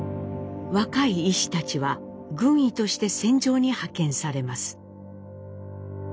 若い医師たちは軍医として戦場に派遣されます。